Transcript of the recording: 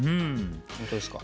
本当ですか？